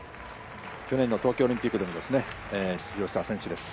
去年の東京オリンピックでも出場した選手です。